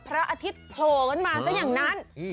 พระอาทิตย์โผล่มาแสดงนั้น